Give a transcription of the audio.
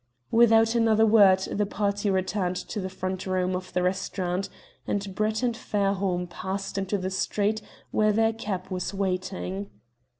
Without another word the party returned to the front room of the restaurant, and Brett and Fairholme passed into the street where their cab was waiting.